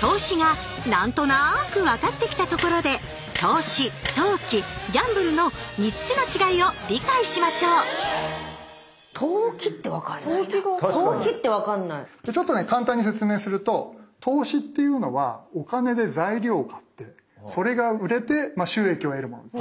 投資が何となく分かってきたところで投資投機ギャンブルの３つの違いを理解しましょうじゃあちょっとね簡単に説明すると投資っていうのはお金で材料を買ってそれが売れて収益を得るもの。